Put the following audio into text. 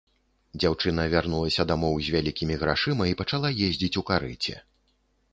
Дзяўчына вярнулася дамоў з вялікімі грашыма і пачала ездзіць у карэце.